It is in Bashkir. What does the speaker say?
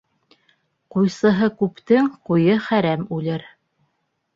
Ҡуйсыһы күптең ҡуйы хәрәм үлер.